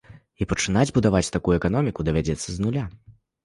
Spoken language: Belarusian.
І пачынаць будаваць такую эканоміку давядзецца з нуля.